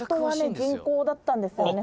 銀行だったんですよね